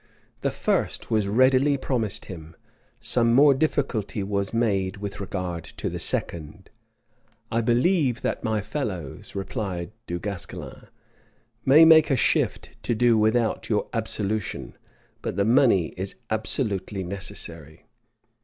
The first was readily promised him; some more difficulty was made with regard to the second. "I believe that my fellows," replied Du Guesclin, "may make a shift to do without your absolution; but the money is absolutely necessary."